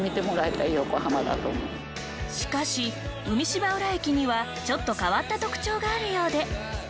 しかし海芝浦駅にはちょっと変わった特徴があるようで。